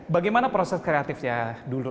bagaimana proses kreatifnya dulu